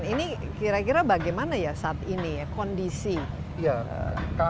ini kira kira bagaimana ya saat ini ya kondisinya